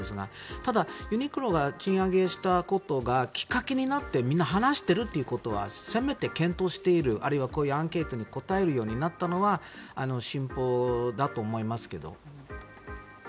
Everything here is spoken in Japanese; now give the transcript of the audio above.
ただユニクロが賃上げしたことがきっかけになってみんな話しているということはせめて検討しているあるいはこういうアンケートに答えるようになったのは進歩だと思いますけど。